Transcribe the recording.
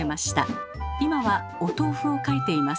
今はお豆腐を描いています。